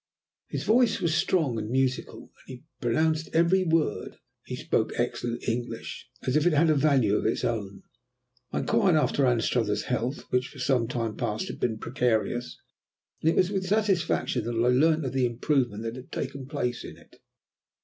His voice was strong and musical, and he pronounced every word (he spoke excellent English) as if it had a value of its own. I inquired after Anstruther's health, which for some time past had been precarious, and it was with satisfaction that I learnt of the improvement that had taken place in it.